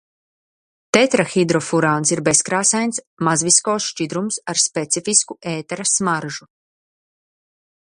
Tetrahidrofurāns ir bezkrāsains, mazviskozs šķidrums ar specifisku ētera smaržu.